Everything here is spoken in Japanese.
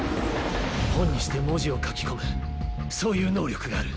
本にして文字を描き込むそーゆー能力がある。